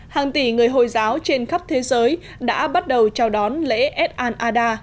hàng tỷ người hồi giáo trên khắp thế giới đã bắt đầu chào đón lễ ad an ada